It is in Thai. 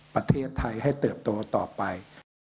ประเทศไทยให้เติบโตต่อไป